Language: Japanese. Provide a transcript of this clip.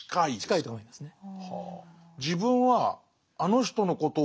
近いと思いますね。